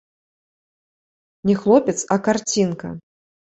Не хлопец, а карцінка!